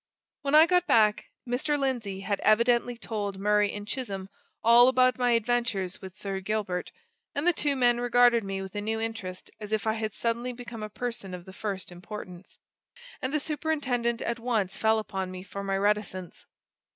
When I got back, Mr. Lindsey had evidently told Murray and Chisholm all about my adventures with Sir Gilbert, and the two men regarded me with a new interest as if I had suddenly become a person of the first importance. And the superintendent at once fell upon me for my reticence.